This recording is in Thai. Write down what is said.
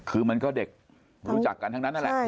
คือมันก็เด็กรู้จักกันทั้งนั้นนั่นแหละ